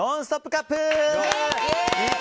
カップ！